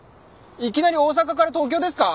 いきなり大阪から東京ですか？